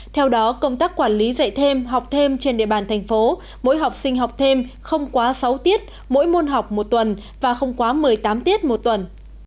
theo đó công tác quản lý dạy thêm học thêm trên địa bàn thành phố mỗi học sinh học thêm không quá sáu tiết mỗi môn học một tuần và không quá một mươi tám tiết một tuần